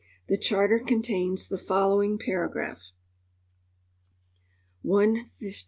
The charter contains the following paragraph :" 115.